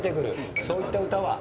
そういった歌は？